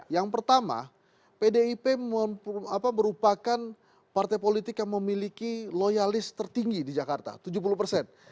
yang pertama pdip merupakan partai politik yang memiliki loyalis tertinggi di jakarta tujuh puluh persen